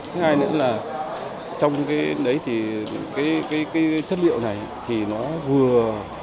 thứ hai nữa là trong cái đấy thì cái chất liệu này thì nó vừa